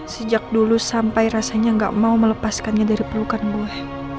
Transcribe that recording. sejak dulu sampai rasanya gak mau melepaskannya dari pelukan buah